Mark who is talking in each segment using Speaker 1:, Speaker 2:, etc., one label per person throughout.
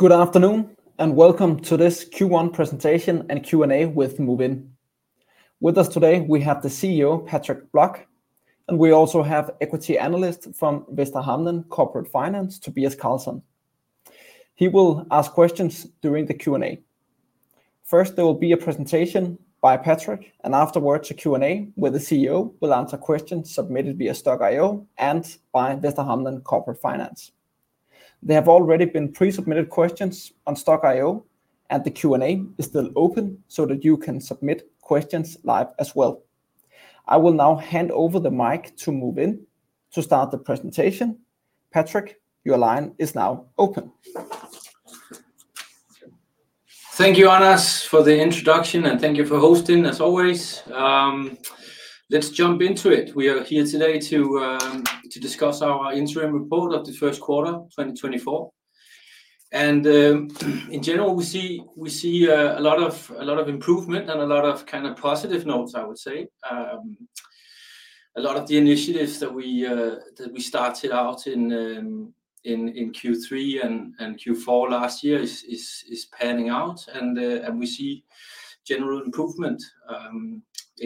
Speaker 1: Good afternoon and welcome to this Q1 presentation and Q&A with Movinn. With us today we have the CEO Patrick Blok, and we also have equity analyst from Västra Hamnen Corporate Finance, Tobias Karlsson. He will ask questions during the Q&A. First there will be a presentation by Patrick, and afterwards a Q&A where the CEO will answer questions submitted via Stokk.io and by Västra Hamnen Corporate Finance. There have already been pre-submitted questions on Stokk.io, and the Q&A is still open so that you can submit questions live as well. I will now hand over the mic to Movinn to start the presentation. Patrick, your line is now open.
Speaker 2: Thank you, Anas, for the introduction, and thank you for hosting as always. Let's jump into it. We are here today to discuss our interim report of the first quarter 2024. In general we see a lot of improvement and a lot of kind of positive notes, I would say. A lot of the initiatives that we started out in Q3 and Q4 last year is panning out, and we see general improvement in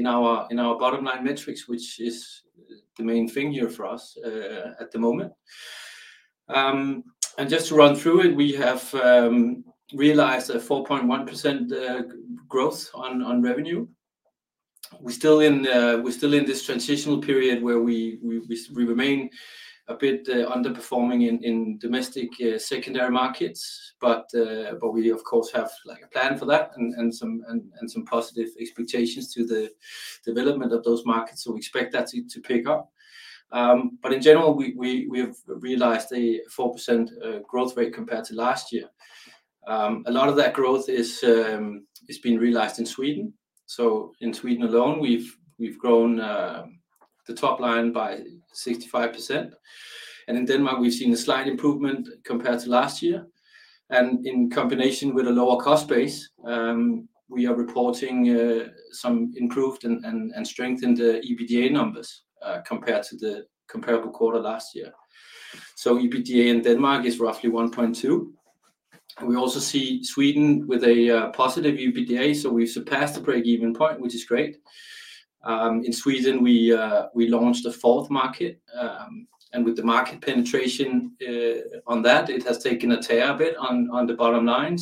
Speaker 2: our bottom line metrics, which is the main thing here for us at the moment. Just to run through it, we have realized a 4.1% growth on revenue. We're still in this transitional period where we remain a bit underperforming in domestic secondary markets, but we of course have a plan for that and some positive expectations to the development of those markets, so we expect that to pick up. But in general we have realized a 4% growth rate compared to last year. A lot of that growth has been realized in Sweden. So in Sweden alone we've grown the top line by 65%, and in Denmark we've seen a slight improvement compared to last year. And in combination with a lower cost base, we are reporting some improved and strengthened EBITDA numbers compared to the comparable quarter last year. So EBITDA in Denmark is roughly 1.2. We also see Sweden with a positive EBITDA, so we've surpassed the break-even point, which is great. In Sweden we launched a fourth market, and with the market penetration on that it has taken a toll a bit on the bottom-line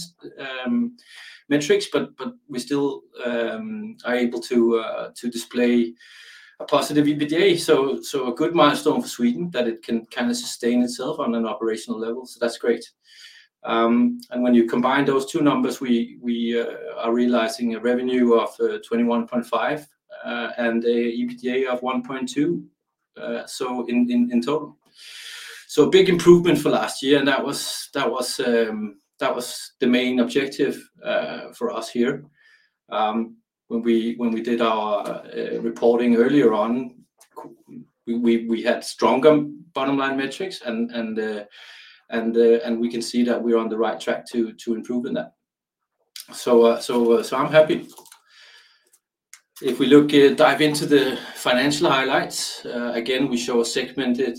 Speaker 2: metrics, but we still are able to display a positive EBITDA. So a good milestone for Sweden that it can kind of sustain itself on an operational level, so that's great. And when you combine those two numbers we are realizing a revenue of 21.5 and an EBITDA of 1.2 in total. So a big improvement for last year, and that was the main objective for us here. When we did our reporting earlier on we had stronger bottom line metrics, and we can see that we're on the right track to improve in that. So I'm happy. If we dive into the financial highlights, again we show a segmented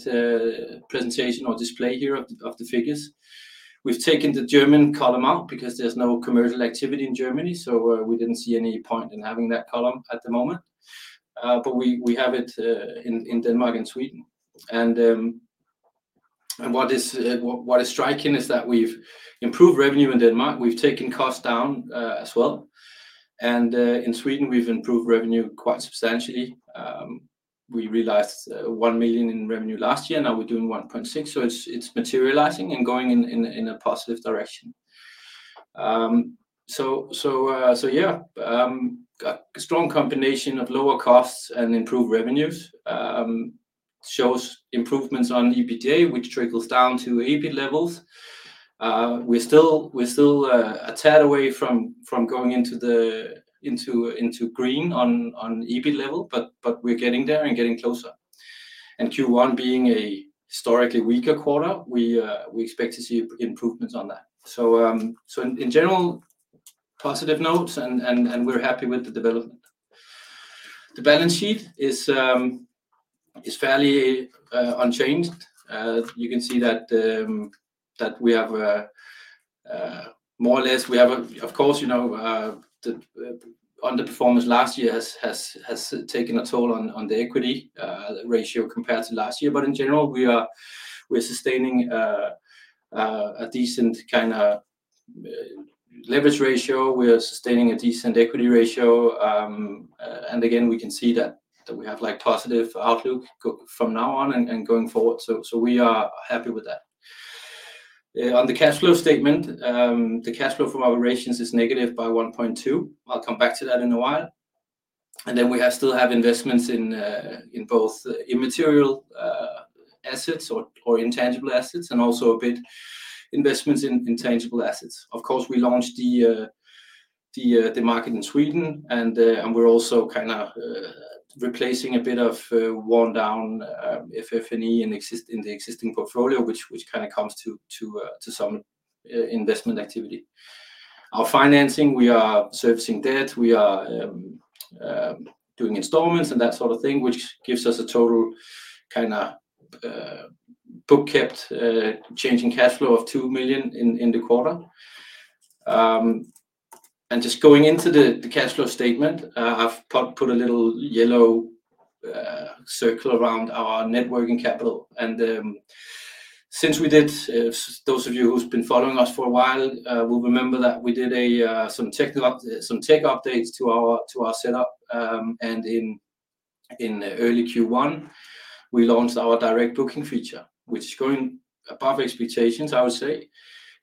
Speaker 2: presentation or display here of the figures. We've taken the German column out because there's no commercial activity in Germany, so we didn't see any point in having that column at the moment. But we have it in Denmark and Sweden. And what is striking is that we've improved revenue in Denmark, we've taken costs down as well. And in Sweden we've improved revenue quite substantially. We realized 1 million in revenue last year, now we're doing 1.6 million, so it's materializing and going in a positive direction. So yeah, a strong combination of lower costs and improved revenues shows improvements on EBITDA, which trickles down to EBIT levels. We're still a tad away from going into green on EBIT level, but we're getting there and getting closer. And Q1 being a historically weaker quarter, we expect to see improvements on that. So in general, positive notes, and we're happy with the development. The balance sheet is fairly unchanged. You can see that we have more or less, of course, the underperformance last year has taken a toll on the equity ratio compared to last year. But in general we're sustaining a decent kind of leverage ratio, we're sustaining a decent equity ratio. Again we can see that we have a positive outlook from now on and going forward, so we are happy with that. On the cash flow statement, the cash flow from operations is negative by 1.2 million. I'll come back to that in a while. And then we still have investments in both immaterial assets or intangible assets, and also a bit investments in tangible assets. Of course we launched the market in Sweden, and we're also kind of replacing a bit of worn down FF&E in the existing portfolio, which kind of comes to some investment activity. Our financing, we are servicing debt, we are doing installments, and that sort of thing, which gives us a total kind of book-kept changing cash flow of 2 million in the quarter. Just going into the cash flow statement, I've put a little yellow circle around our net working capital. Since we did, those of you who've been following us for a while will remember that we did some tech updates to our setup. In early Q1 we launched our direct booking feature, which is going above expectations, I would say.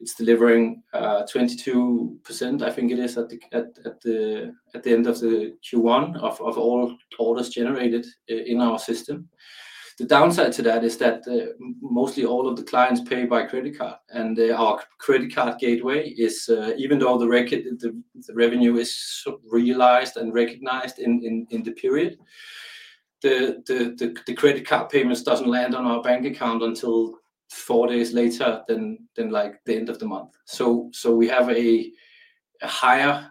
Speaker 2: It's delivering 22%, I think it is, at the end of Q1 of all orders generated in our system. The downside to that is that mostly all of the clients pay by credit card, and our credit card gateway is even though the revenue is realized and recognized in the period, the credit card payments doesn't land on our bank account until four days later than the end of the month. So we have a higher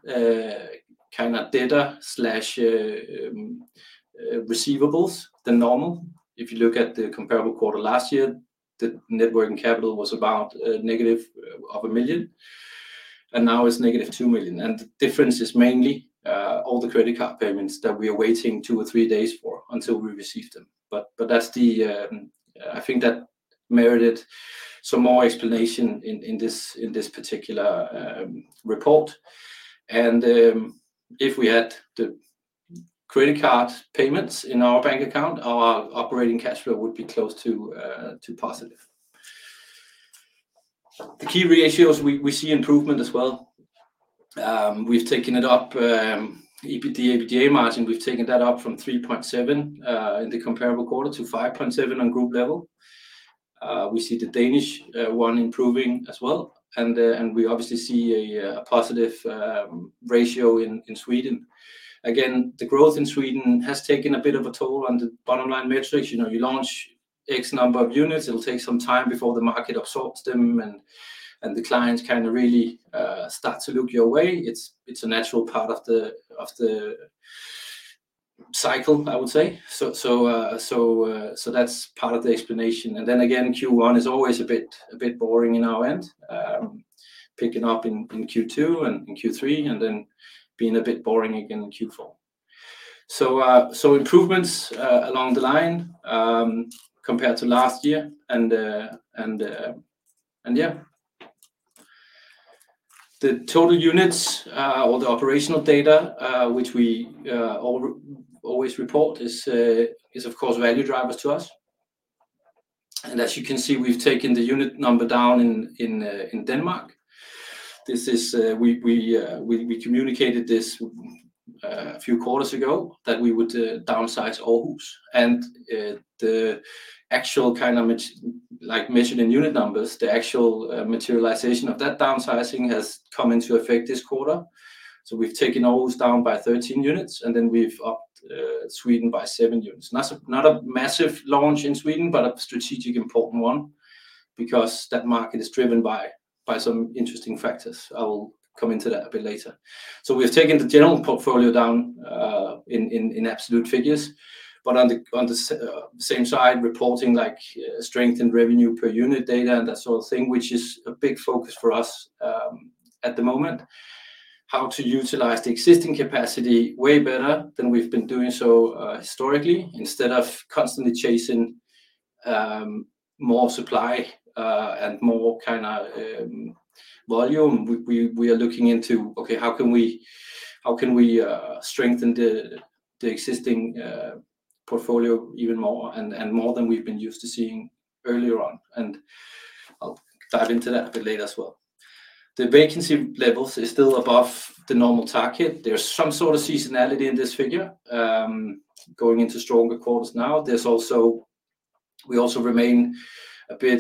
Speaker 2: kind of debts/receivables than normal. If you look at the comparable quarter last year, the net working capital was about negative 1 million, and now it's negative 2 million. And the difference is mainly all the credit card payments that we are waiting two or three days for until we receive them. But I think that merited some more explanation in this particular report. And if we had the credit card payments in our bank account, our operating cash flow would be close to positive. The key ratios, we see improvement as well. We've taken it up. EBITDA margin, we've taken that up from 3.7 in the comparable quarter to 5.7 on group level. We see the Danish one improving as well, and we obviously see a positive ratio in Sweden. Again, the growth in Sweden has taken a bit of a toll on the bottom line metrics. You launch X number of units, it'll take some time before the market absorbs them and the clients kind of really start to look your way. It's a natural part of the cycle, I would say. So that's part of the explanation. And then again, Q1 is always a bit boring in our end, picking up in Q2 and Q3, and then being a bit boring again in Q4. So improvements along the line compared to last year, and yeah. The total units or the operational data, which we always report, is of course value drivers to us. And as you can see, we've taken the unit number down in Denmark. We communicated this a few quarters ago, that we would downsize Aarhus. And the actual kind of measured in unit numbers, the actual materialization of that downsizing has come into effect this quarter. So we've taken Aarhus down by 13 units, and then we've upped Sweden by seven units. Not a massive launch in Sweden, but a strategic important one because that market is driven by some interesting factors. I will come into that a bit later. We've taken the general portfolio down in absolute figures. But on the same side, reporting strength and revenue per unit data and that sort of thing, which is a big focus for us at the moment. How to utilize the existing capacity way better than we've been doing so historically. Instead of constantly chasing more supply and more kind of volume, we are looking into, okay, how can we strengthen the existing portfolio even more and more than we've been used to seeing earlier on. I'll dive into that a bit later as well. The vacancy levels are still above the normal target. There's some sort of seasonality in this figure, going into stronger quarters now. We also remain a bit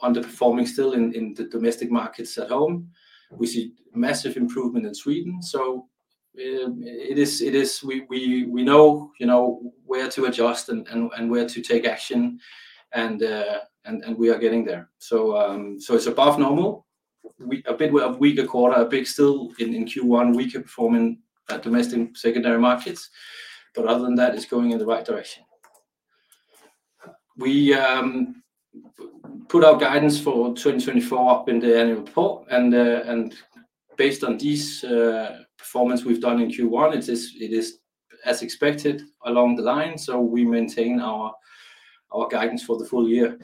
Speaker 2: underperforming still in the domestic markets at home. We see massive improvement in Sweden, so it is we know where to adjust and where to take action, and we are getting there. So it's above normal. A bit of weaker quarter, a bit still in Q1 weaker performing at domestic secondary markets, but other than that it's going in the right direction. We put our guidance for 2024 up in the annual report, and based on this performance we've done in Q1, it is as expected along the line, so we maintain our guidance for the full year.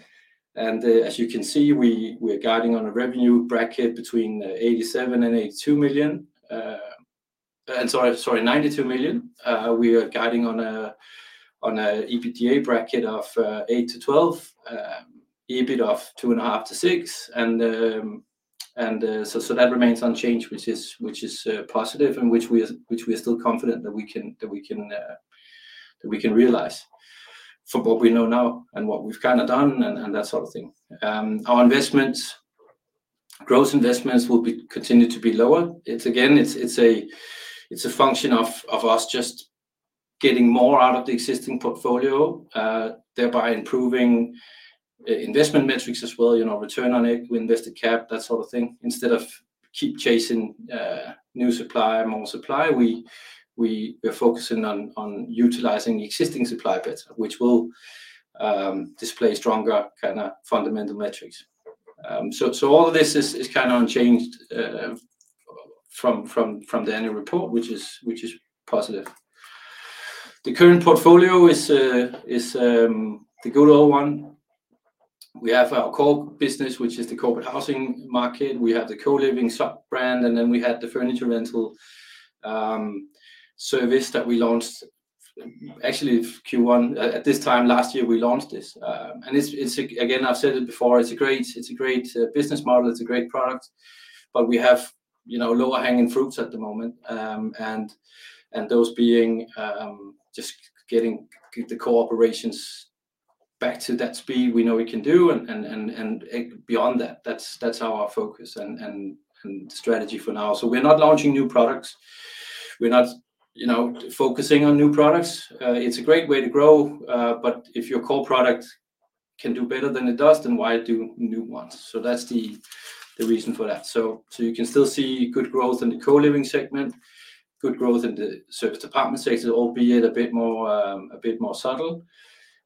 Speaker 2: As you can see, we are guiding on a revenue bracket between 87 million and 82 million sorry, 92 million. We are guiding on an EBITDA bracket of 8-12, EBIT of 2.5-6, and so that remains unchanged, which is positive and which we are still confident that we can realize from what we know now and what we've kind of done and that sort of thing. Our investments, gross investments, will continue to be lower. Again, it's a function of us just getting more out of the existing portfolio, thereby improving investment metrics as well, return on equity, invested capital, that sort of thing. Instead of keep chasing new supply and more supply, we are focusing on utilizing the existing supply better, which will display stronger kind of fundamental metrics. So all of this is kind of unchanged from the annual report, which is positive. The current portfolio is the good old one. We have our core business, which is the corporate housing market. We have the co-living sub-brand, and then we had the furniture rental service that we launched actually Q1 at this time last year. We launched this. Again, I've said it before, it's a great business model, it's a great product, but we have lower hanging fruits at the moment. And those being just getting the core operations back to that speed we know we can do, and beyond that, that's our focus and strategy for now. We're not launching new products. We're not focusing on new products. It's a great way to grow, but if your core product can do better than it does, then why do new ones? That's the reason for that. You can still see good growth in the co-living segment, good growth in the serviced apartment sector, albeit a bit more subtle.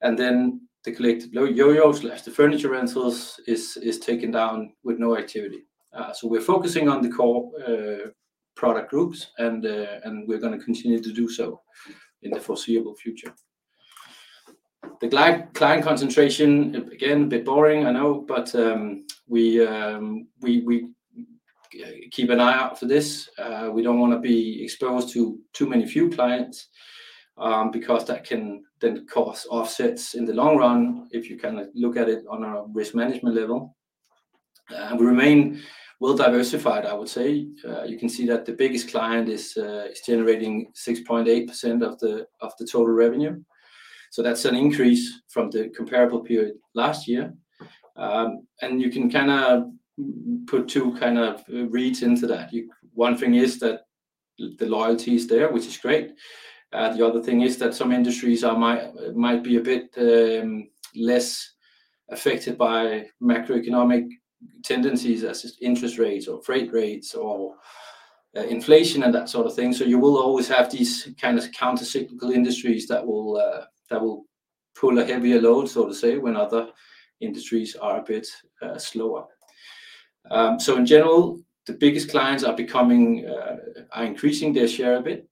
Speaker 2: And then the Collective Yoyo/the furniture rentals is taken down with no activity. So we're focusing on the core product groups, and we're going to continue to do so in the foreseeable future. The client concentration, again, a bit boring, I know, but we keep an eye out for this. We don't want to be exposed to too few clients because that can then cause offsets in the long run if you kind of look at it on a risk management level. We remain well diversified, I would say. You can see that the biggest client is generating 6.8% of the total revenue. So that's an increase from the comparable period last year. And you can kind of put two kind of reads into that. One thing is that the loyalty is there, which is great. The other thing is that some industries might be a bit less affected by macroeconomic tendencies as interest rates or freight rates or inflation and that sort of thing. So you will always have these kind of countercyclical industries that will pull a heavier load, so to say, when other industries are a bit slower. So in general, the biggest clients are increasing their share a bit.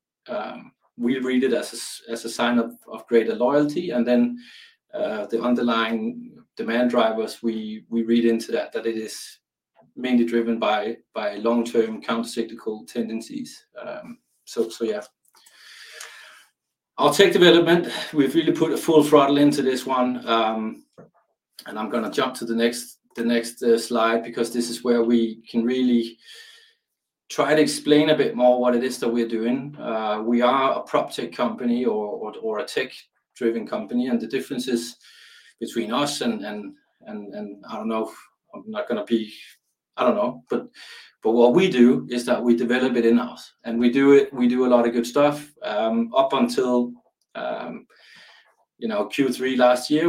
Speaker 2: We read it as a sign of greater loyalty, and then the underlying demand drivers, we read into that that it is mainly driven by long-term countercyclical tendencies. So yeah. Our tech development, we've really put a full throttle into this one, and I'm going to jump to the next slide because this is where we can really try to explain a bit more what it is that we're doing. We are a prop tech company or a tech-driven company, and the differences between us and I don't know if I'm not going to be I don't know, but what we do is that we develop it in-house. We do a lot of good stuff. Up until Q3 last year,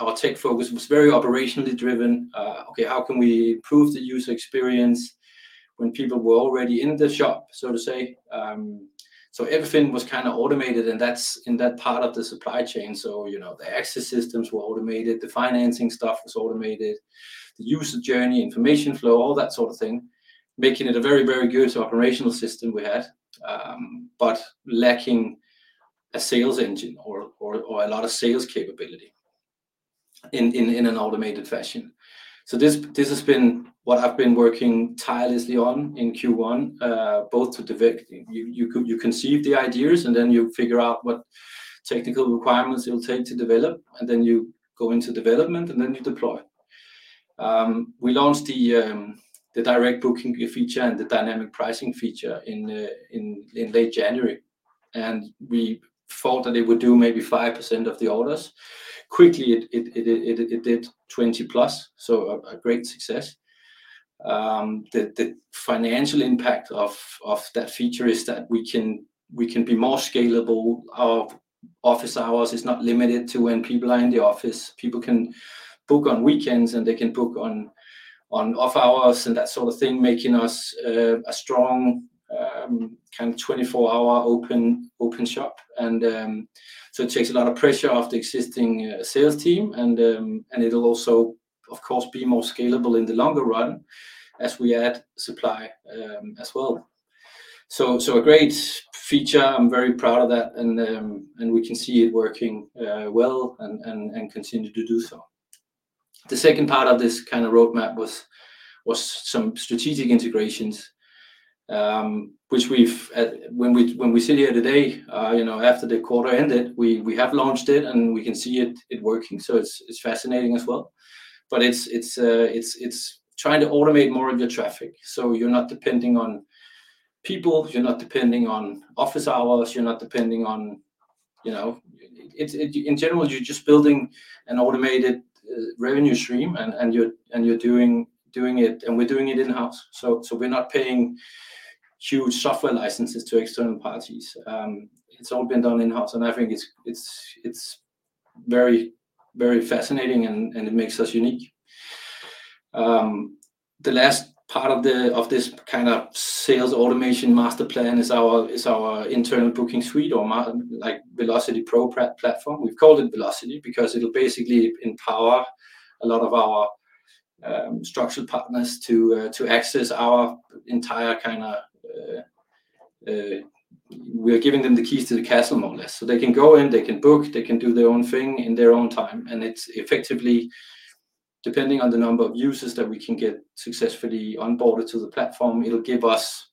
Speaker 2: our tech focus was very operationally driven. Okay, how can we improve the user experience when people were already in the shop, so to say? Everything was kind of automated in that part of the supply chain. The access systems were automated, the financing stuff was automated, the user journey, information flow, all that sort of thing, making it a very, very good operational system we had, but lacking a sales engine or a lot of sales capability in an automated fashion. So this has been what I've been working tirelessly on in Q1, both to conceive the ideas, and then you figure out what technical requirements it'll take to develop, and then you go into development, and then you deploy. We launched the direct booking feature and the dynamic pricing feature in late January, and we thought that it would do maybe 5% of the orders. Quickly, it did 20+, so a great success. The financial impact of that feature is that we can be more scalable. Our office hours are not limited to when people are in the office. People can book on weekends, and they can book on off-hours, and that sort of thing, making us a strong kind of 24-hour open shop. And so it takes a lot of pressure off the existing sales team, and it'll also, of course, be more scalable in the longer run as we add supply as well. So a great feature. I'm very proud of that, and we can see it working well and continue to do so. The second part of this kind of roadmap was some strategic integrations, which when we sit here today, after the quarter ended, we have launched it, and we can see it working. So it's fascinating as well. But it's trying to automate more of your traffic. So you're not depending on people, you're not depending on office hours, you're not depending on in general, you're just building an automated revenue stream, and you're doing it, and we're doing it in-house. So we're not paying huge software licenses to external parties. It's all been done in-house, and I think it's very, very fascinating, and it makes us unique. The last part of this kind of sales automation master plan is our internal booking suite or Velocity Pro platform. We've called it Velocity because it'll basically empower a lot of our structural partners to access our entire kind of we're giving them the keys to the castle, more or less. So they can go in, they can book, they can do their own thing in their own time. And it's effectively, depending on the number of users that we can get successfully onboarded to the platform, it'll give us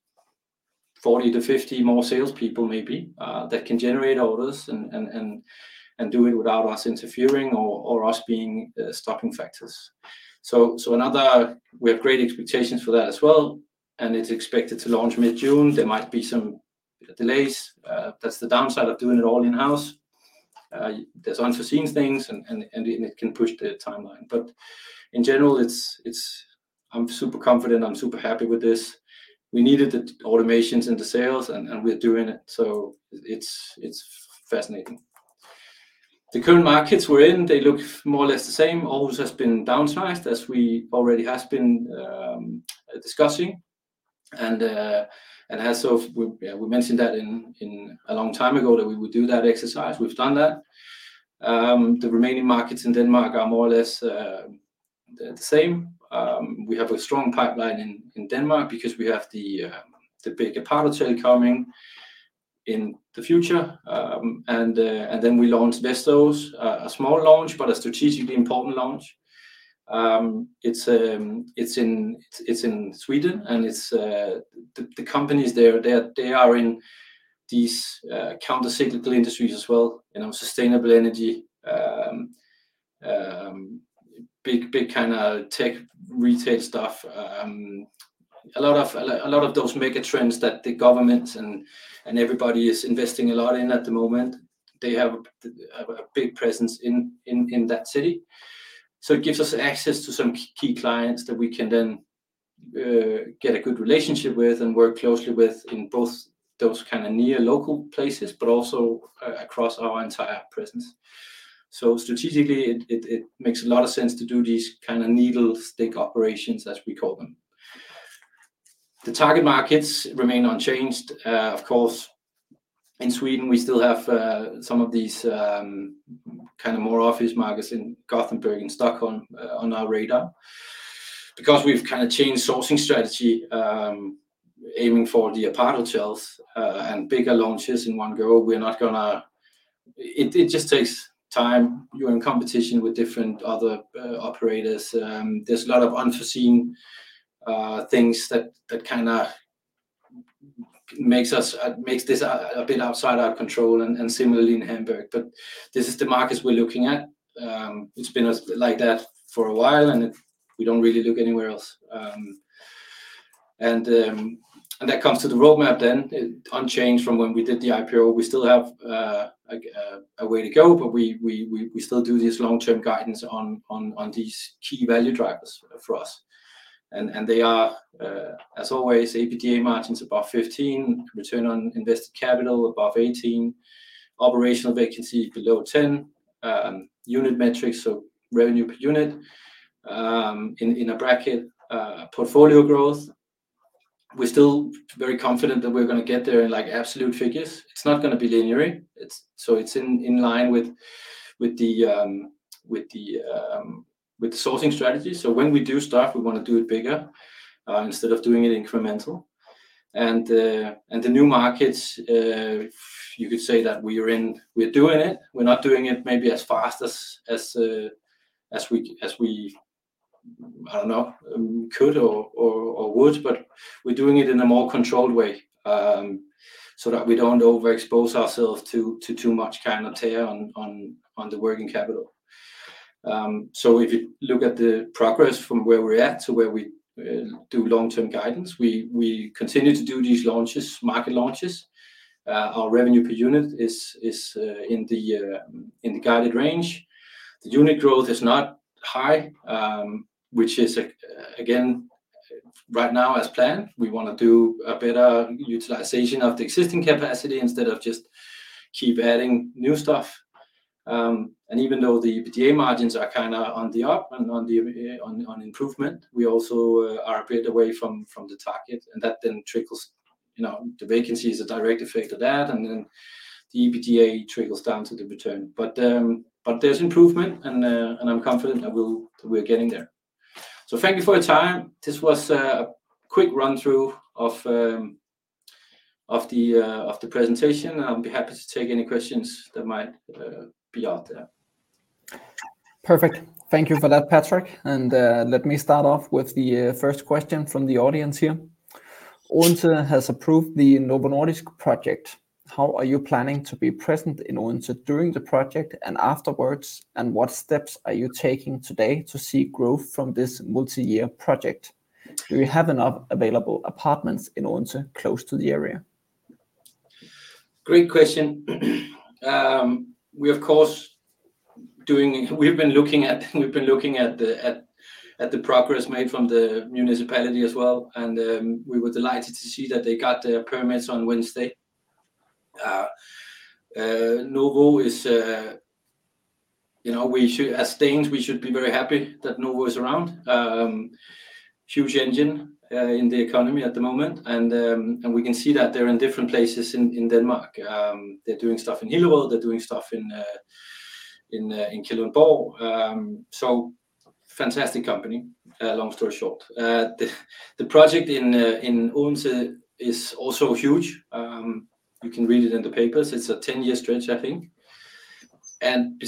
Speaker 2: 40-50 more salespeople, maybe, that can generate orders and do it without us interfering or us being stopping factors. So we have great expectations for that as well, and it's expected to launch mid-June. There might be some delays. That's the downside of doing it all in-house. There's unforeseen things, and it can push the timeline. But in general, I'm super confident, I'm super happy with this. We needed the automations in the sales, and we're doing it. So it's fascinating. The current markets we're in, they look more or less the same. Aarhus has been downsized as we already have been discussing, and so we mentioned that a long time ago that we would do that exercise. We've done that. The remaining markets in Denmark are more or less the same. We have a strong pipeline in Denmark because we have the big apparel chain coming in the future, and then we launched Västerås, a small launch, but a strategically important launch. It's in Sweden, and the companies there, they are in these countercyclical industries as well. Sustainable energy, big kind of tech retail stuff, a lot of those megatrends that the government and everybody is investing a lot in at the moment. They have a big presence in that city. So it gives us access to some key clients that we can then get a good relationship with and work closely with in both those kind of near-local places, but also across our entire presence. So strategically, it makes a lot of sense to do these kind of needle-stick operations, as we call them. The target markets remain unchanged. Of course, in Sweden, we still have some of these kind of more office markets in Gothenburg and Stockholm on our radar. Because we've kind of changed sourcing strategy, aiming for the aparthotels and bigger launches in one go, we're not going to it just takes time. You're in competition with different other operators. There's a lot of unforeseen things that kind of makes this a bit outside our control, and similarly in Hamburg. But this is the markets we're looking at. It's been like that for a while, and we don't really look anywhere else. And that comes to the roadmap then, unchanged from when we did the IPO. We still have a way to go, but we still do this long-term guidance on these key value drivers for us. And they are, as always, EBITDA margins above 15%, return on invested capital above 18%, operational vacancy below 10%, unit metrics, so revenue per unit. In a bracket, portfolio growth. We're still very confident that we're going to get there in absolute figures. It's not going to be linearly. So it's in line with the sourcing strategy. So when we do stuff, we want to do it bigger instead of doing it incremental. The new markets, you could say that we're doing it. We're not doing it maybe as fast as we I don't know, could or would, but we're doing it in a more controlled way so that we don't overexpose ourselves to too much kind of tear on the working capital. So if you look at the progress from where we're at to where we do long-term guidance, we continue to do these launches, market launches. Our revenue per unit is in the guided range. The unit growth is not high, which is, again, right now as planned. We want to do a better utilization of the existing capacity instead of just keep adding new stuff. And even though the EBITDA margins are kind of on the up and on improvement, we also are a bit away from the target, and that then trickles the vacancy is a direct effect of that, and then the EBITDA trickles down to the return. But there's improvement, and I'm confident that we're getting there. So thank you for your time. This was a quick run-through of the presentation, and I'll be happy to take any questions that might be out there. Perfect. Thank you for that, Patrick. And let me start off with the first question from the audience here. Odense has approved the Novo Nordisk project. How are you planning to be present in Odense during the project and afterwards, and what steps are you taking today to see growth from this multi-year project? Do we have enough available apartments in Odense close to the area?
Speaker 1: Great question. We, of course, have been looking at the progress made from the municipality as well, and we were delighted to see that they got their permits on Wednesday. As Danes, we should be very happy that Novo is around, huge engine in the economy at the moment, and we can see that they're in different places in Denmark. They're doing stuff in Hillerød, they're doing stuff in Kalundborg. So fantastic company, long story short. The project in Odense is also huge. You can read it in the papers. It's a 10-year stretch, I think. And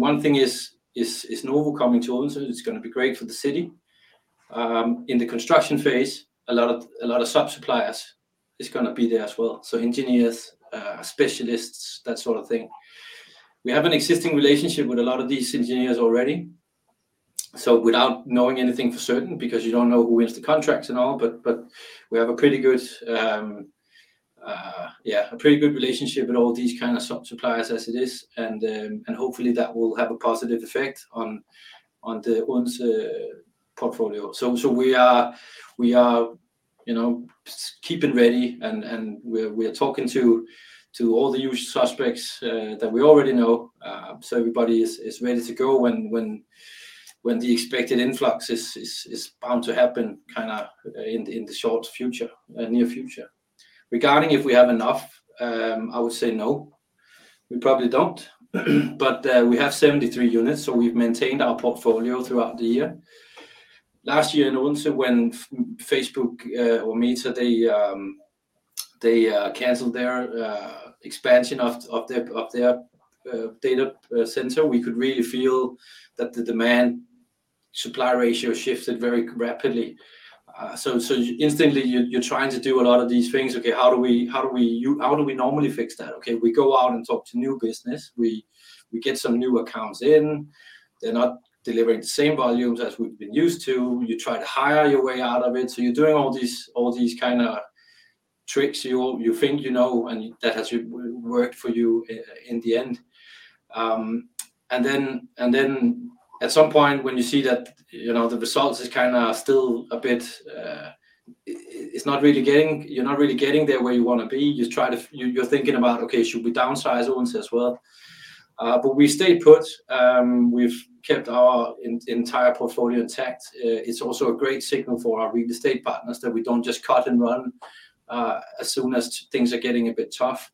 Speaker 1: one thing is Novo coming to Odense. It's going to be great for the city. In the construction phase, a lot of subsuppliers are going to be there as well. So engineers, specialists, that sort of thing. We have an existing relationship with a lot of these engineers already. So without knowing anything for certain because you don't know who wins the contracts and all, but we have a pretty good yeah, a pretty good relationship with all these kind of subsuppliers as it is, and hopefully that will have a positive effect on the Odense portfolio. So we are keeping ready, and we are talking to all the usual suspects that we already know. So everybody is ready to go when the expected influx is bound to happen kind of in the short future, near future. Regarding if we have enough, I would say no. We probably don't. But we have 73 units, so we've maintained our portfolio throughout the year. Last year in Odense, when Facebook or Meta, they canceled their expansion of their data center, we could really feel that the demand-supply ratio shifted very rapidly. Instantly, you're trying to do a lot of these things. Okay, how do we normally fix that? Okay, we go out and talk to new business. We get some new accounts in. They're not delivering the same volumes as we've been used to. You try to hire your way out of it. You're doing all these kind of tricks you think you know, and that has worked for you in the end. Then at some point, when you see that the results are kind of still a bit, it's not really getting, you're not really getting there where you want to be. You're thinking about, "Okay, should we downsize Odense as well?" We stay put. We've kept our entire portfolio intact. It's also a great signal for our real estate partners that we don't just cut and run as soon as things are getting a bit tough.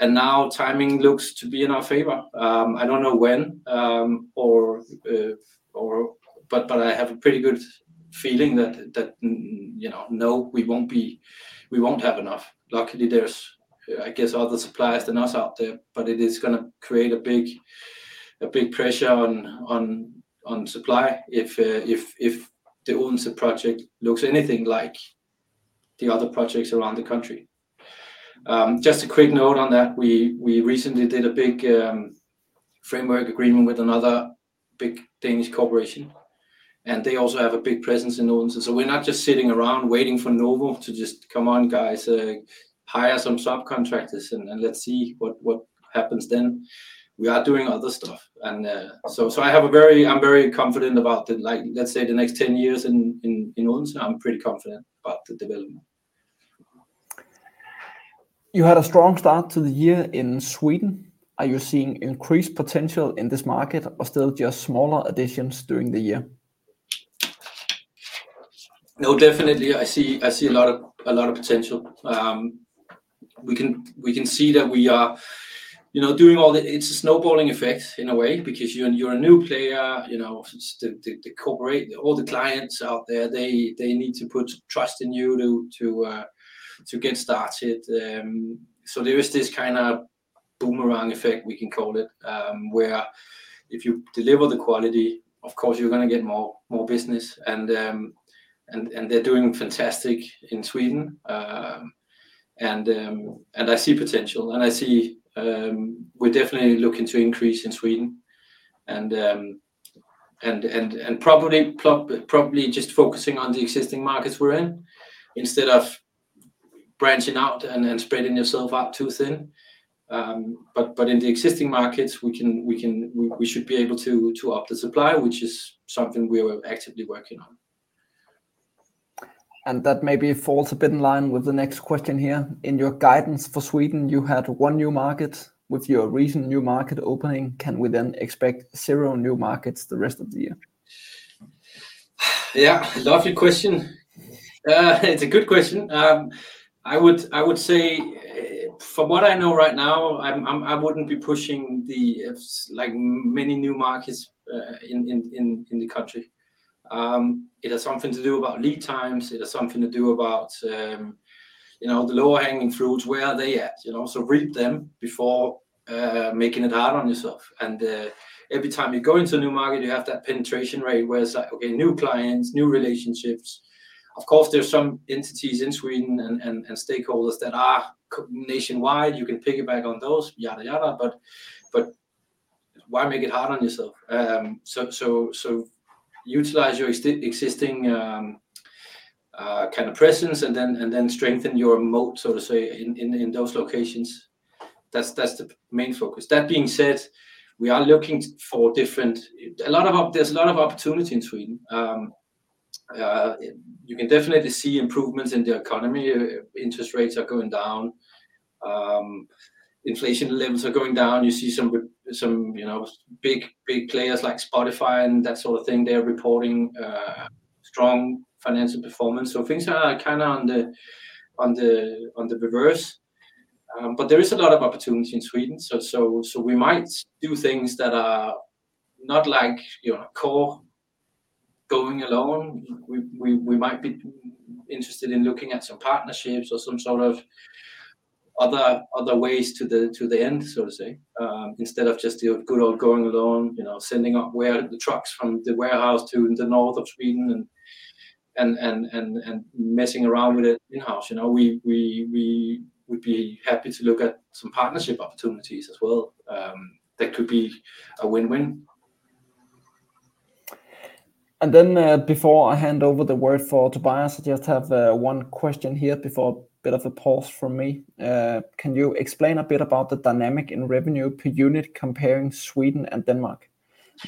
Speaker 1: And now timing looks to be in our favor. I don't know when, but I have a pretty good feeling that, no, we won't have enough. Luckily, there's, I guess, other suppliers than us out there, but it is going to create a big pressure on supply if the Odense project looks anything like the other projects around the country. Just a quick note on that. We recently did a big framework agreement with another big Danish corporation, and they also have a big presence in Odense. So we're not just sitting around waiting for Novo to just, "Come on, guys. Hire some subcontractors, and let's see what happens then." We are doing other stuff. I'm very confident about the, let's say, the next 10 years in Odense. I'm pretty confident about the development.
Speaker 2: You had a strong start to the year in Sweden. Are you seeing increased potential in this market or still just smaller additions during the year?
Speaker 1: No, definitely. I see a lot of potential. We can see that it's a snowballing effect in a way because you're a new player. All the clients out there, they need to put trust in you to get started. So there is this kind of boomerang effect, we can call it, where if you deliver the quality, of course, you're going to get more business, and they're doing fantastic in Sweden. And I see potential, and I see we're definitely looking to increase in Sweden and probably just focusing on the existing markets we're in instead of branching out and spreading yourself out too thin. But in the existing markets, we should be able to up the supply, which is something we're actively working on.
Speaker 2: That maybe falls a bit in line with the next question here. In your guidance for Sweden, you had one new market. With your recent new market opening, can we then expect zero new markets the rest of the year?
Speaker 1: Yeah, lovely question. It's a good question. I would say, from what I know right now, I wouldn't be pushing many new markets in the country. It has something to do about lead times. It has something to do about the low-hanging fruits. Where are they at? So reap them before making it hard on yourself. And every time you go into a new market, you have that penetration rate where it's like, "Okay, new clients, new relationships." Of course, there are some entities in Sweden and stakeholders that are nationwide. You can piggyback on those, yada, yada, but why make it hard on yourself? So utilize your existing kind of presence and then strengthen your moat, so to say, in those locations. That's the main focus. That being said, we are looking for different. There's a lot of opportunity in Sweden. You can definitely see improvements in the economy. Interest rates are going down. Inflation levels are going down. You see some big players like Spotify and that sort of thing. They're reporting strong financial performance. So things are kind of on the reverse. But there is a lot of opportunity in Sweden, so we might do things that are not core going alone. We might be interested in looking at some partnerships or some sort of other ways to the end, so to say, instead of just the good old going alone, sending up the trucks from the warehouse to the north of Sweden and messing around with it in-house. We would be happy to look at some partnership opportunities as well. That could be a win-win.
Speaker 2: And then before I hand over the word for Tobias, I just have one question here before a bit of a pause from me. Can you explain a bit about the dynamic in revenue per unit comparing Sweden and Denmark?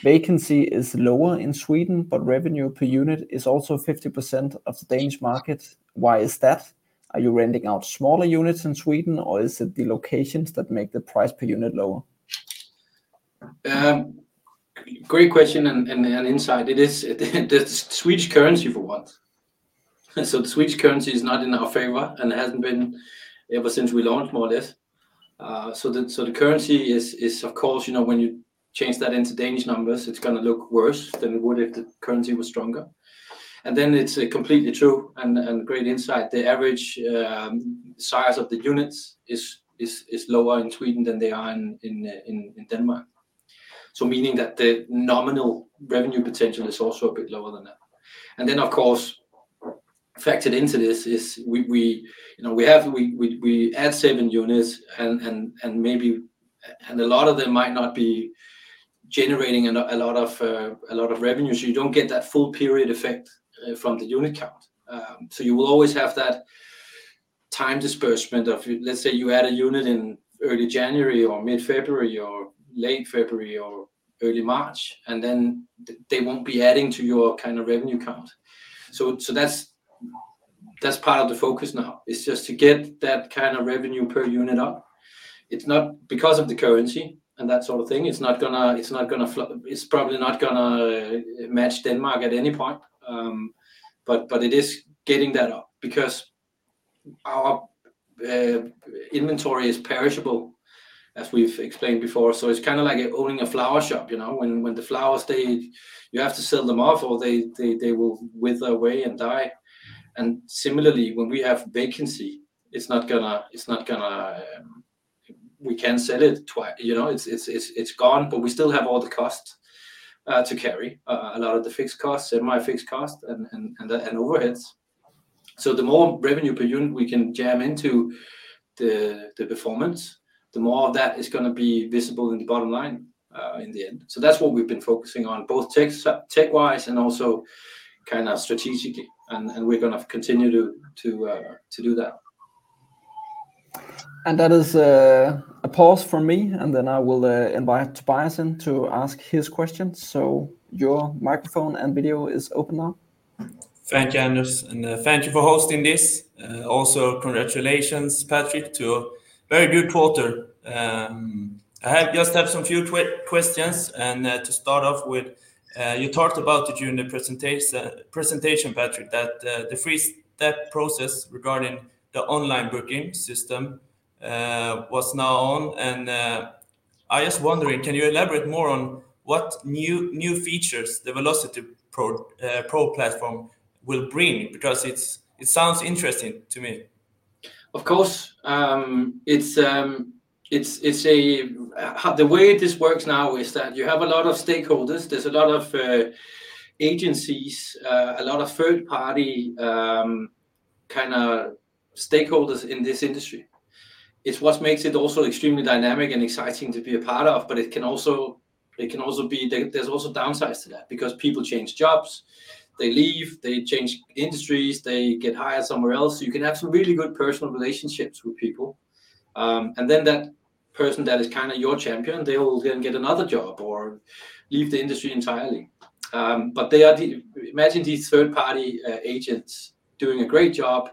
Speaker 2: Vacancy is lower in Sweden, but revenue per unit is also 50% of the Danish market. Why is that? Are you renting out smaller units in Sweden, or is it the locations that make the price per unit lower?
Speaker 1: Great question and insight. It is the Swedish currency, for one. So the Swedish currency is not in our favor, and it hasn't been ever since we launched, more or less. So the currency is, of course, when you change that into Danish numbers, it's going to look worse than it would if the currency was stronger. And then it's completely true and great insight. The average size of the units is lower in Sweden than they are in Denmark, so meaning that the nominal revenue potential is also a bit lower than that. And then, of course, factored into this is we add 7 units, and a lot of them might not be generating a lot of revenue, so you don't get that full period effect from the unit count. So you will always have that time dispersion of let's say you add a unit in early January or mid-February or late February or early March, and then they won't be adding to your kind of revenue count. So that's part of the focus now, is just to get that kind of revenue per unit up. It's not because of the currency and that sort of thing. It's not going to. It's probably not going to match Denmark at any point, but it is getting that up because our inventory is perishable, as we've explained before. So it's kind of like owning a flower shop. When the flowers, you have to sell them off, or they will wither away and die. And similarly, when we have vacancy, it's not going to. We can sell it. It's gone, but we still have all the costs to carry, a lot of the fixed costs, semi-fixed costs, and overheads. So the more revenue per unit we can jam into the performance, the more of that is going to be visible in the bottom line in the end. So that's what we've been focusing on, both tech-wise and also kind of strategically, and we're going to continue to do that.
Speaker 2: That is a pause from me, and then I will invite Tobias in to ask his questions. Your microphone and video is open now.
Speaker 1: Thank you, Anas, and thank you for hosting this. Also, congratulations, Patrick, to a very good quarter. I just have some few questions. And to start off with, you talked about during the presentation, Patrick, that the three-step process regarding the online booking system was now on. And I was wondering, can you elaborate more on what new features the Velocity Pro platform will bring? Because it sounds interesting to me.
Speaker 3: Of course. The way this works now is that you have a lot of stakeholders. There's a lot of agencies, a lot of third-party kind of stakeholders in this industry. It's what makes it also extremely dynamic and exciting to be a part of, but it can also be. There's also downsides to that because people change jobs. They leave. They change industries. They get hired somewhere else. So you can have some really good personal relationships with people. And then that person that is kind of your champion, they will then get another job or leave the industry entirely. But imagine these third-party agents doing a great job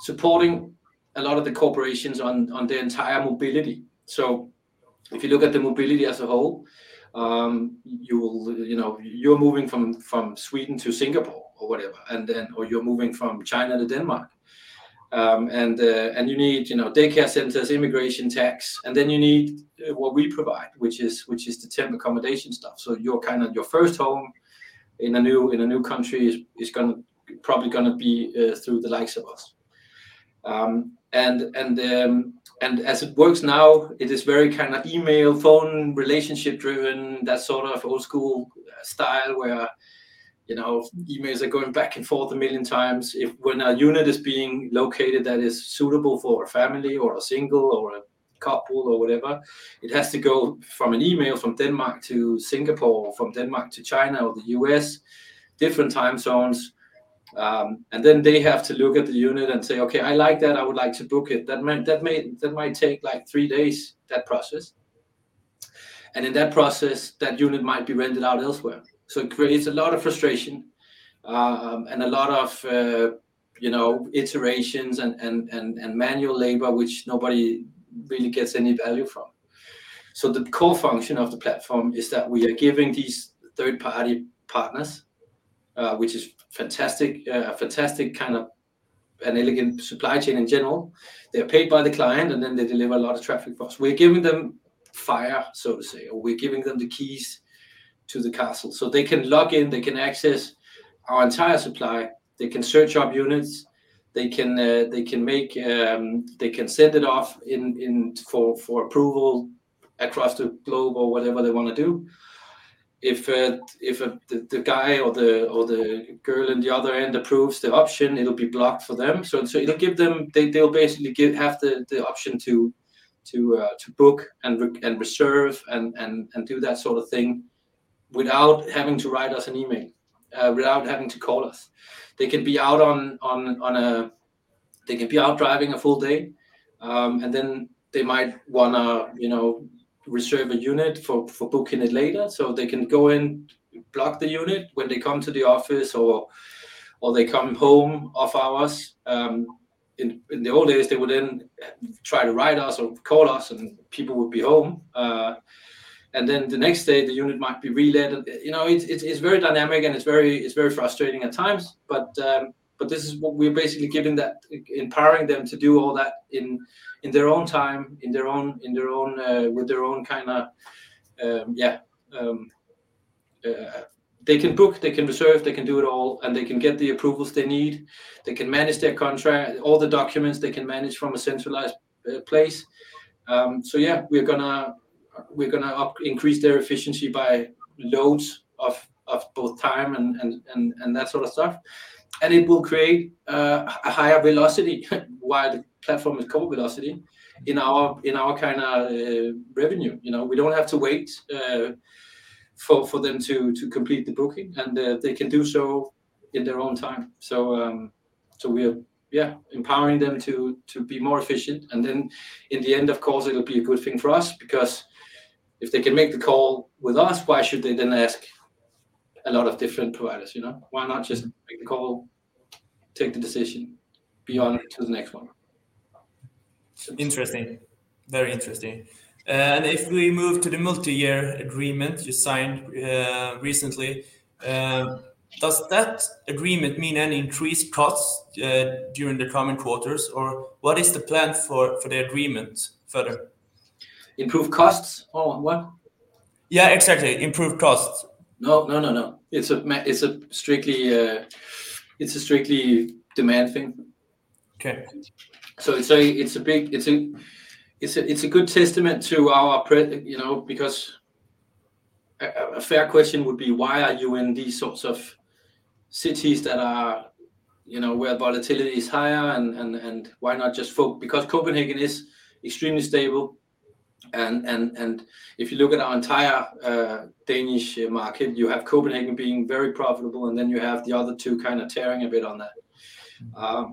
Speaker 3: supporting a lot of the corporations on their entire mobility. So if you look at the mobility as a whole, you're moving from Sweden to Singapore or whatever, or you're moving from China to Denmark, and you need daycare centers, immigration tax, and then you need what we provide, which is the temporary accommodation stuff. So your first home in a new country is probably going to be through the likes of us. And as it works now, it is very kind of email, phone, relationship-driven, that sort of old-school style where emails are going back and forth a million times. When a unit is being located that is suitable for a family or a single or a couple or whatever, it has to go from an email from Denmark to Singapore, from Denmark to China or the U.S., different time zones. And then they have to look at the unit and say, "Okay, I like that. I would like to book it." That might take 3 days, that process. In that process, that unit might be rented out elsewhere. It creates a lot of frustration and a lot of iterations and manual labor, which nobody really gets any value from. The core function of the platform is that we are giving these third-party partners, which is a fantastic kind of an elegant supply chain in general. They're paid by the client, and then they deliver a lot of traffic for us. We're giving them fire, so to say, or we're giving them the keys to the castle. So they can log in. They can access our entire supply. They can search our units. They can send it off for approval across the globe or whatever they want to do. If the guy or the girl on the other end approves the option, it'll be blocked for them. So it'll give them. They'll basically have the option to book and reserve and do that sort of thing without having to write us an email, without having to call us. They can be out driving a full day, and then they might want to reserve a unit for booking it later. So they can go in, block the unit when they come to the office, or they come home off hours. In the old days, they would then try to write us or call us, and people would be home. And then the next day, the unit might be rented. It's very dynamic, and it's very frustrating at times. This is what we're basically giving that, empowering them to do all that in their own time, with their own kind of yeah. They can book. They can reserve. They can do it all, and they can get the approvals they need. They can manage their contract, all the documents they can manage from a centralized place. So yeah, we're going to increase their efficiency by loads of both time and that sort of stuff. It will create a higher velocity while the platform is core velocity in our kind of revenue. We don't have to wait for them to complete the booking, and they can do so in their own time. So we're, yeah, empowering them to be more efficient. Then in the end, of course, it'll be a good thing for us because if they can make the call with us, why should they then ask a lot of different providers? Why not just make the call, take the decision, beyond to the next one?
Speaker 1: Interesting. Very interesting. If we move to the multi-year agreement you signed recently, does that agreement mean any increased costs during the common quarters, or what is the plan for the agreement further?
Speaker 3: Improve costs? What?
Speaker 1: Yeah, exactly. Improve costs.
Speaker 3: No, no, no, no. It's a strictly demand thing. So it's a good testament to our because a fair question would be, why are you in these sorts of cities where volatility is higher, and why not just focus? Because Copenhagen is extremely stable. And if you look at our entire Danish market, you have Copenhagen being very profitable, and then you have the other two kind of tearing a bit on that.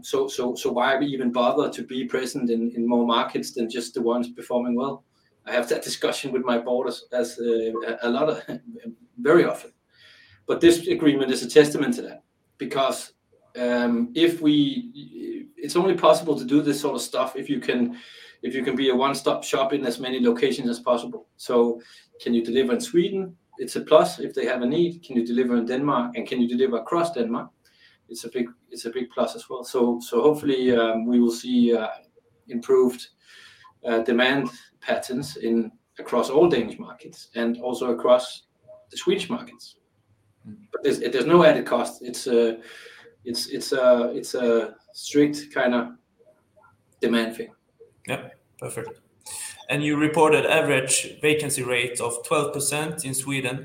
Speaker 3: So why even bother to be present in more markets than just the ones performing well? I have that discussion with my board a lot of very often. But this agreement is a testament to that because it's only possible to do this sort of stuff if you can be a one-stop shop in as many locations as possible. So can you deliver in Sweden? It's a plus if they have a need. Can you deliver in Denmark? And can you deliver across Denmark? It's a big plus as well. So hopefully, we will see improved demand patterns across all Danish markets and also across the Swedish markets. But there's no added cost. It's a strict kind of demand thing.
Speaker 1: Yep. Perfect. And you reported average vacancy rate of 12% in Sweden.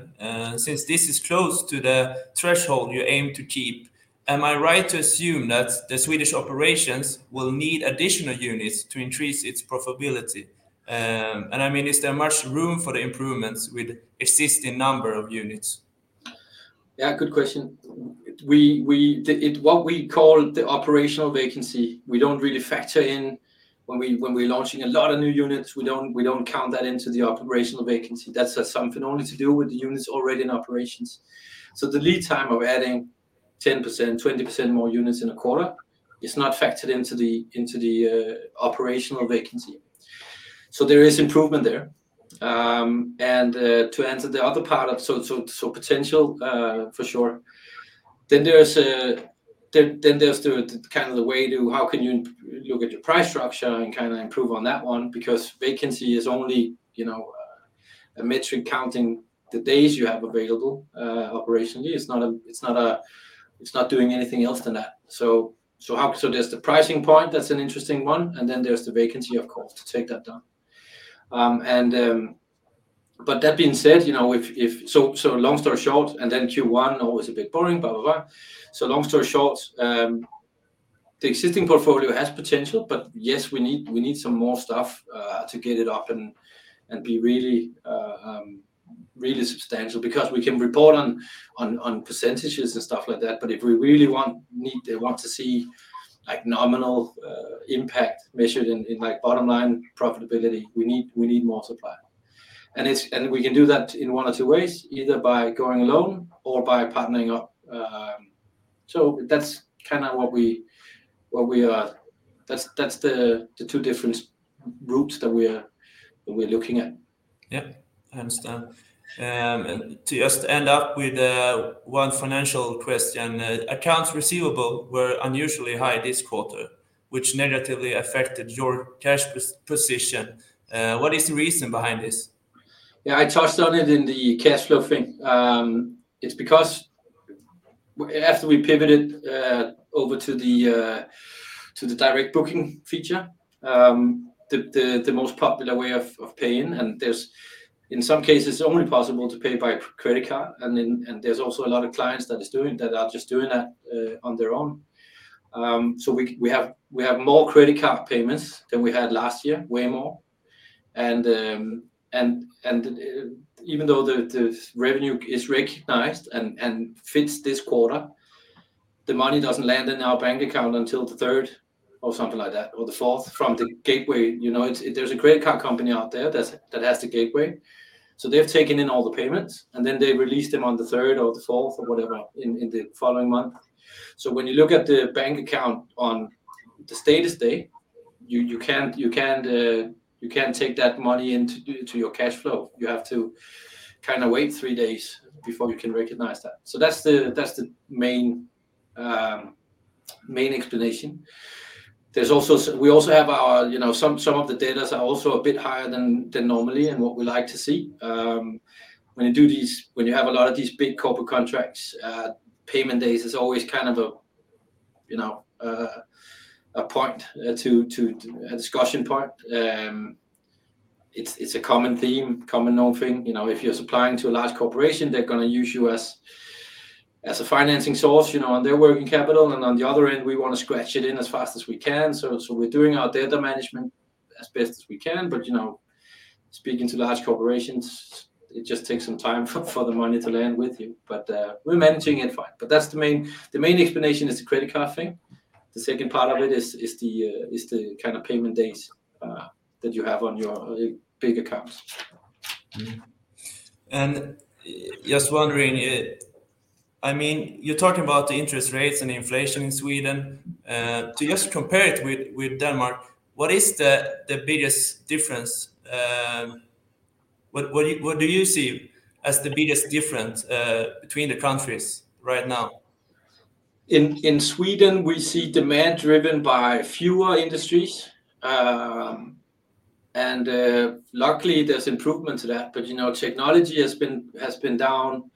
Speaker 1: Since this is close to the threshold you aim to keep, am I right to assume that the Swedish operations will need additional units to increase its profitability? And I mean, is there much room for the improvements with existing number of units?
Speaker 3: Yeah, good question. What we call the operational vacancy, we don't really factor in. When we're launching a lot of new units, we don't count that into the operational vacancy. That's something only to do with the units already in operations. So the lead time of adding 10%, 20% more units in a quarter is not factored into the operational vacancy. So there is improvement there. And to answer the other part of so potential, for sure, then there's kind of the way to how can you look at your price structure and kind of improve on that one? Because vacancy is only a metric counting the days you have available operationally. It's not doing anything else than that. So there's the pricing point. That's an interesting one. And then there's the vacancy, of course, to take that down. But that being said, if so long story short, and then Q1 always a bit boring, blah, blah, blah. So long story short, the existing portfolio has potential, but yes, we need some more stuff to get it up and be really substantial because we can report on percentages and stuff like that. But if we really want they want to see nominal impact measured in bottom line profitability, we need more supply. And we can do that in one or two ways, either by going alone or by partnering up. So that's kind of what we are that's the two different routes that we're looking at.
Speaker 1: Yep. I understand. To just end up with one financial question, accounts receivable were unusually high this quarter, which negatively affected your cash position. What is the reason behind this?
Speaker 3: Yeah, I touched on it in the cash flow thing. It's because after we pivoted over to the direct booking feature, the most popular way of paying, and in some cases, it's only possible to pay by credit card. And there's also a lot of clients that are just doing that on their own. So we have more credit card payments than we had last year, way more. And even though the revenue is recognized and fits this quarter, the money doesn't land in our bank account until the 3rd or something like that or the 4th from the gateway. There's a credit card company out there that has the gateway. So they've taken in all the payments, and then they release them on the 3rd or the 4th or whatever in the following month. So when you look at the bank account on the status day, you can't take that money into your cash flow. You have to kind of wait three days before you can recognize that. So that's the main explanation. We also have some of the days are also a bit higher than normal and what we like to see. When you do these when you have a lot of these big corporate contracts, payment days is always kind of a point to a discussion point. It's a common theme, commonly known thing. If you're supplying to a large corporation, they're going to use you as a financing source on their working capital. And on the other end, we want to cash it in as fast as we can. So we're doing our DSO management as best as we can. But speaking to large corporations, it just takes some time for the money to land with you. But we're managing it fine. But that's the main explanation, is the credit card thing. The second part of it is the kind of payment days that you have on your big accounts.
Speaker 1: And just wondering, I mean, you're talking about the interest rates and inflation in Sweden. To just compare it with Denmark, what is the biggest difference? What do you see as the biggest difference between the countries right now?
Speaker 3: In Sweden, we see demand driven by fewer industries. Luckily, there's improvement to that. Technology has been down.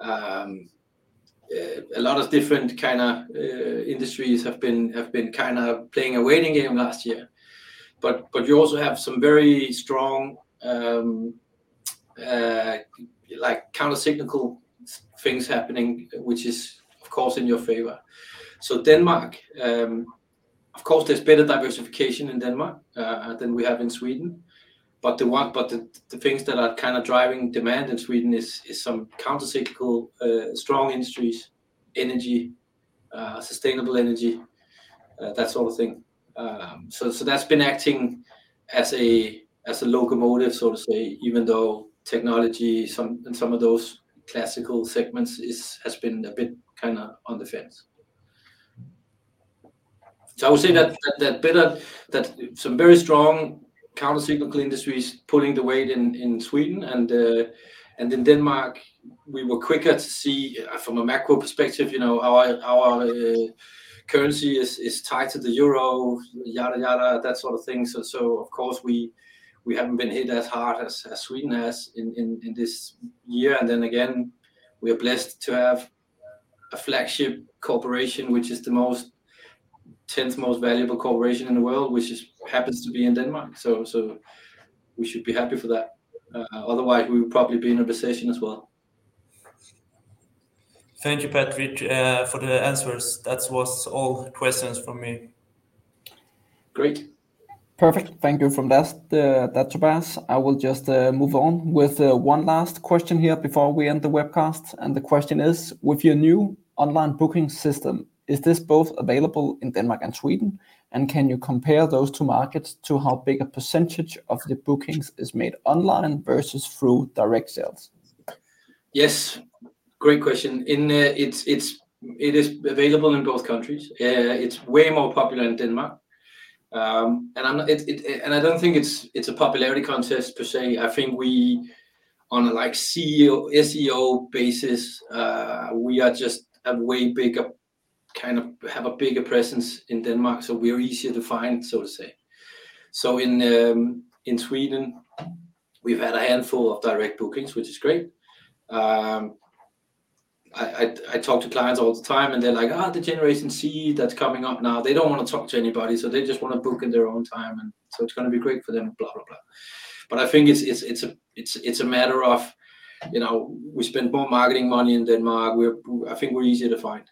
Speaker 3: A lot of different kind of industries have been kind of playing a waiting game last year. You also have some very strong countercyclical things happening, which is, of course, in your favor. Denmark, of course, there's better diversification in Denmark than we have in Sweden. The things that are kind of driving demand in Sweden is some countercyclical, strong industries, energy, sustainable energy, that sort of thing. That's been acting as a locomotive, so to say, even though technology in some of those classical segments has been a bit kind of on the fence. I would say that some very strong countercyclical industries are pulling the weight in Sweden. And in Denmark, we were quicker to see, from a macro perspective, our currency is tied to the euro, yada, yada, that sort of thing. So of course, we haven't been hit as hard as Sweden has in this year. And then again, we are blessed to have a flagship corporation, which is the 10th most valuable corporation in the world, which happens to be in Denmark. So we should be happy for that. Otherwise, we would probably be in a recession as well.
Speaker 2: Thank you, Patrick, for the answers. That was all questions from me.
Speaker 3: Great.
Speaker 1: Perfect. Thank you for that, Tobias. I will just move on with one last question here before we end the webcast. The question is, with your new online booking system, is this both available in Denmark and Sweden? And can you compare those two markets to how big a percentage of the bookings is made online versus through direct sales?
Speaker 3: Yes. Great question. It is available in both countries. It's way more popular in Denmark. And I don't think it's a popularity contest per se. I think on a SEO basis, we are just a way bigger kind of have a bigger presence in Denmark, so we're easier to find, so to say. So in Sweden, we've had a handful of direct bookings, which is great. I talk to clients all the time, and they're like, "Oh, the Generation Z that's coming up now, they don't want to talk to anybody, so they just want to book in their own time. And so it's going to be great for them, blah, blah, blah." But I think it's a matter of we spend more marketing money in Denmark. I think we're easier to find.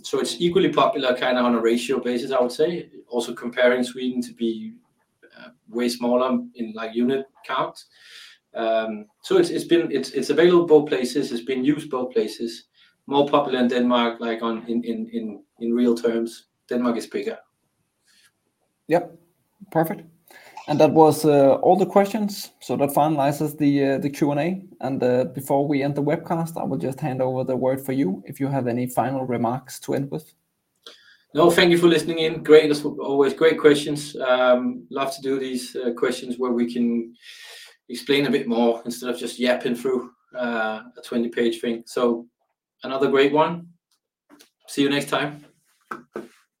Speaker 3: It's equally popular, kind of on a ratio basis, I would say, also comparing Sweden to be way smaller in unit counts. It's available both places. It's been used both places. More popular in Denmark. In real terms, Denmark is bigger.
Speaker 1: Yep. Perfect. That was all the questions. That finalizes the Q&A. Before we end the webcast, I will just hand over the word for you if you have any final remarks to end with.
Speaker 3: No, thank you for listening in. Great, as always. Great questions. Love to do these questions where we can explain a bit more instead of just yapping through a 20-page thing. So another great one. See you next time.